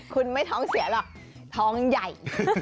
คุณไม่ท้องเสียหรอกท้องใหญ่